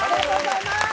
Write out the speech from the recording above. ありがとうございます。